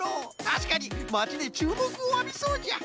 たしかにまちでちゅうもくをあびそうじゃ。